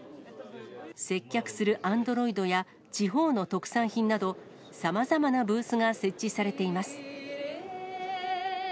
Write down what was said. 接客するアンドロイドや、地方の特産品など、さまざまなブースが設置されています。